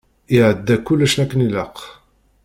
Iɛedda kullec akken ilaq.